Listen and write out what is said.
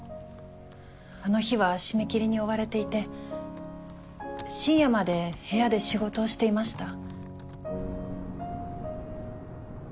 あの日は締め切りに追われていて深夜まで部屋で仕事をしていました。